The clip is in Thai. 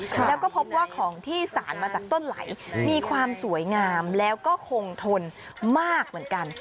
แล้วก็พบว่าของที่สารมาจากต้นไหลมีความสวยงามแล้วก็คงทนมากเหมือนกัน